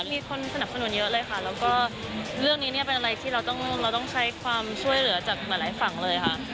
มีคนสนับสนุนเยอะเลยค่ะแล้วก็เรื่องนี้เนี่ยเป็นอะไรที่เราต้องเราต้องใช้ความช่วยเหลือจากหลายฝั่งเลยค่ะ